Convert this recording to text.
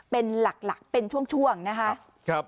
เป็นหลักเป็นช่วงนะคะ